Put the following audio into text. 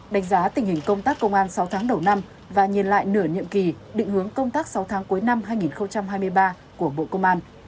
đánh giá tình hình công tác công an sáu tháng đầu năm và nhìn lại nửa nhiệm kỳ định hướng công tác sáu tháng cuối năm hai nghìn hai mươi ba của bộ công an